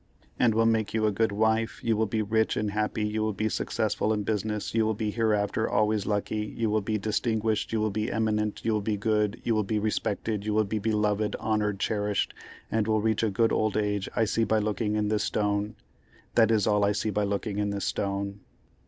"and will make you a good wife; you will be rich and happy you will be successful in business you will be hereafter always lucky you will be distinguished you will be eminent you will be good you will be respected you will be beloved honored cherished and will reach a good old age I see by looking in this stone—that is all I see by looking in this stone."